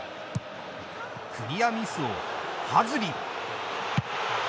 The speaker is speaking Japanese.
クリアミスをハズリ。